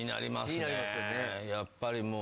やっぱりもう。